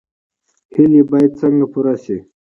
هیلې باید څنګه پوره شي؟